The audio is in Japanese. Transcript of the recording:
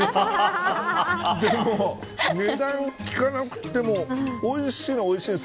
でも、値段を聞かなくてもおいしいのは、おいしいです。